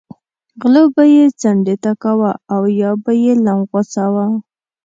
غلو به یې څنډې ته کاوه او یا به یې لم غوڅاوه.